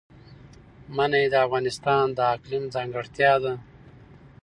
منی د افغانستان د اقلیم ځانګړتیا ده.